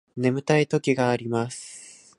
眠たい時があります